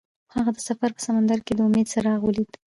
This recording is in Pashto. هغه د سفر په سمندر کې د امید څراغ ولید.